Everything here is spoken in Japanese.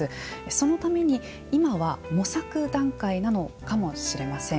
そのために、今は模索段階なのかもしれません。